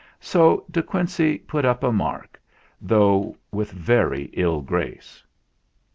So De Quincey put up a mark, though with very ill grace.